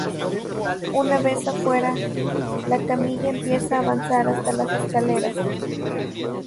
Una vez afuera, la camilla empieza a avanzar hasta las escaleras.